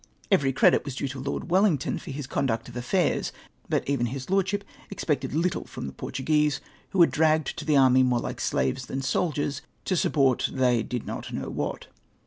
Every credit was due to Lord Wellington for his conduct of afiairs, but even his lordship expected little from the Portuguese, who were dragged to the army more like slaves than soldiers, to support, they did not know what.